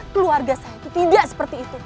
keluarga saya tidak seperti itu